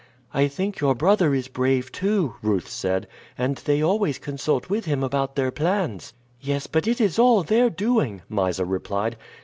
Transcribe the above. "I think your brother is brave, too," Ruth said; "and they always consult with him about their plans." "Yes; but it is all their doing," Mysa replied.